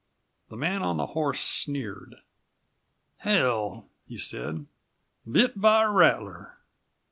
The man on the horse sneered. "Hell!" he said; "bit by a rattler!"